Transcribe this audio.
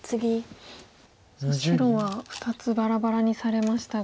さあ白は２つバラバラにされましたが。